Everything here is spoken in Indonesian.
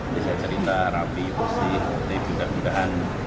biasa cerita rapi pusing berbeda bedahan